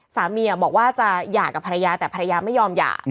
สามีบอกว่าจะหย่ากับภรรยาแต่ภรรยาไม่ยอมหย่า